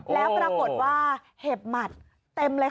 แล้วปรากฏว่าเห็บหมัดเต็มเลยค่ะ